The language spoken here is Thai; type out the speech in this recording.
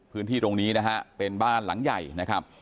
พื้นที่ตรงนี้นะฮะเป็นบ้านหลังใหญ่นะครับ